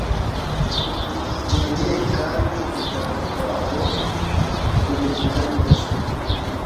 Byongeye kandi gutaka kwabo kubivuga neza